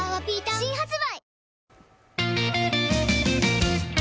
新発売